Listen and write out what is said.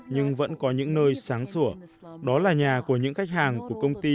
nhưng vẫn có những nơi sáng sủa đó là nhà của những khách hàng của công ty